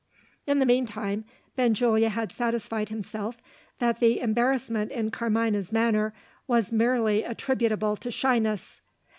In the meantime, Benjulia had satisfied himself that the embarrassment in Carmina's manner was merely attributable to shyness.